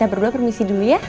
berdua permisi dulu ya